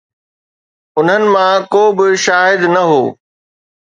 انهن مان ڪو به شاهد نه هو.